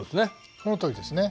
そのとおりですね。